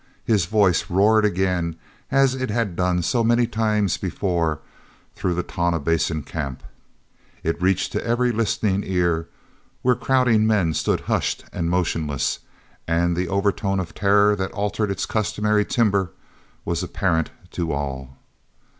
His voice roared again as it had done so many times before through the Tonah Basin camp. It reached to every listening ear where crowding men stood hushed and motionless; and the overtone of terror that altered its customary timber was apparent to all.